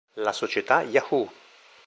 La società Yahoo!